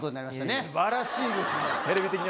すばらしいですね。